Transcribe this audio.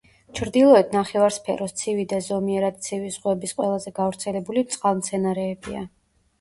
ჩრდილოეთ ნახევარსფეროს ცივი და ზომიერად ცივი ზღვების ყველაზე გავრცელებული წყალმცენარეებია.